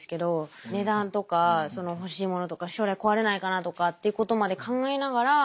値段とかその欲しいものとか将来壊れないかなとかっていうことまで考えながら。